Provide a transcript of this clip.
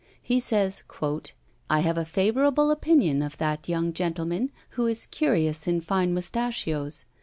He says, "I have a favourable opinion of that young gentleman who is curious in fine mustachios.